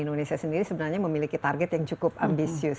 dan indonesia sendiri sebenarnya memiliki target yang cukup ambisius